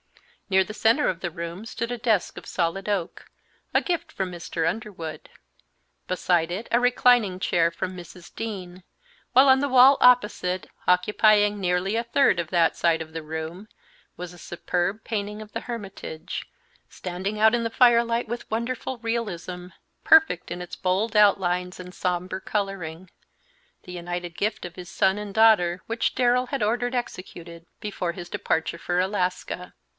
Near the centre of the room stood a desk of solid oak, a gift from Mr. Underwood; beside it a reclining chair from Mrs. Dean, while on the wall opposite, occupying nearly a third of that side of the room, was a superb painting of the Hermitage, standing out in the firelight with wonderful realism, perfect in its bold outlines and sombre coloring, the united gift of his son and daughter, which Darrell had ordered executed before his departure for Alaska.